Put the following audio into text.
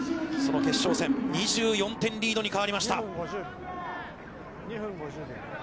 その決勝戦、２４点リードに変わりました。